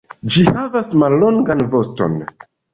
Ĝi havas mallongan voston.